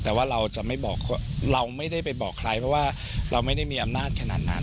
แต่ว่าเราจะไม่บอกเราไม่ได้ไปบอกใครเพราะว่าเราไม่ได้มีอำนาจขนาดนั้น